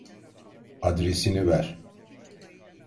Adresini ver.